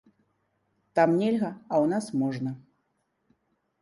Там нельга, а ў нас можна.